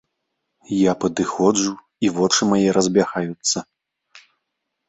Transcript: Я падыходжу, і вочы мае разбягаюцца.